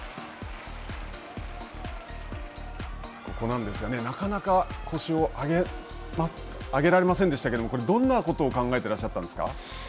ここなんですがね、なかなか腰を上げられませんでしたけれども、これ、どんなことを考えてらっしゃったんですか。